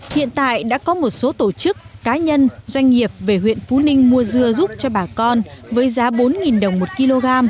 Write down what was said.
hiện tại đã có một số tổ chức cá nhân doanh nghiệp về huyện phú ninh mua dưa giúp cho bà con với giá bốn đồng một kg